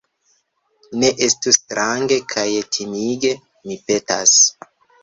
Ne estu strange kaj timige, mi petas